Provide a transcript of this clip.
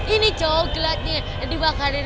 ini coklatnya dibakarin